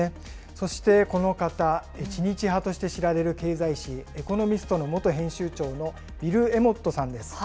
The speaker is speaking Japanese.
そしてこの方、知日派と知られる経済誌、エコノミストの元編集長のビル・エモットさんです。